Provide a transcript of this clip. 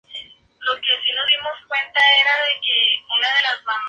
Hay que superarlo, pero sin perderlo.